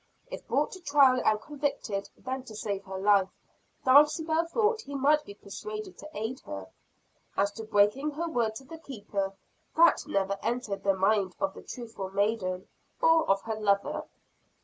If brought to trial and convicted then to save her life, Dulcibel thought he might be persuaded to aid her. As to breaking her word to the Keeper, that never entered the mind of the truthful maiden, or of her lover.